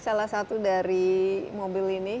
salah satu dari mobil ini